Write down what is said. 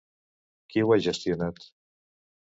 Qui ho ha gestionat?